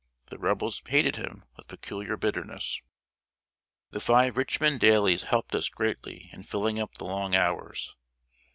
The Rebels hated him with peculiar bitterness. The five Richmond dailies helped us greatly in filling up the long hours.